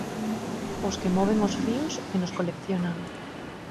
Os que moven os fíos e nos coleccionan.